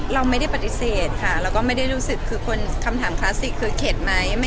เราไม่ได้ปฏิเสธค่ะเราก็ไม่ได้รู้สึกคือคนคำถามคลาสสิกคือเข็ดไหม